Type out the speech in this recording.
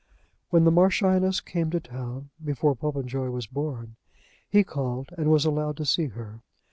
When the Marchioness came to town, before Popenjoy was born, he called, and was allowed to see her.